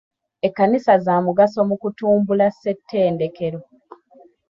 Ekkanisa za mugaso mu kutumbula ssettendekero.